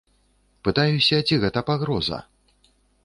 Пытаюся, ці гэта пагроза.